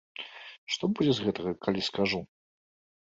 Што будзе з гэтага, калі скажу?